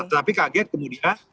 tapi kaget kemudian